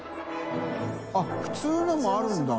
△普通のもあるんだ？